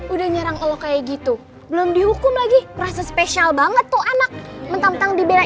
udah nyerang allah kayak gitu belum dihukum lagi rasa spesial banget tuh anak mentang mentang dibela